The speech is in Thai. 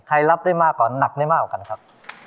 รับได้มากกว่าหนักได้มากกว่ากันครับ